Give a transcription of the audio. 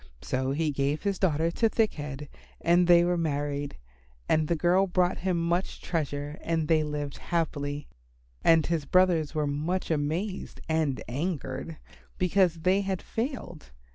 So he gave his daughter to Thick head, and they were married, and the girl brought him much treasure and they lived very happily. And his brothers were much amazed and angered because they had failed.